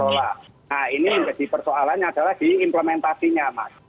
nah ini jadi persoalannya adalah diimplementasinya mas